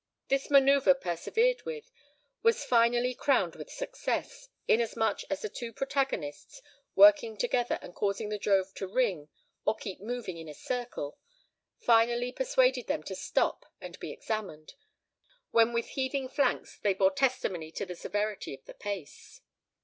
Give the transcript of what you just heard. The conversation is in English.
This manœuvre persevered with, was finally crowned with success; inasmuch as the two protagonists, working together and causing the drove to "ring" or keep moving in a circle, finally persuaded them to stop and be examined, when with heaving flanks they bore testimony to the severity of the pace.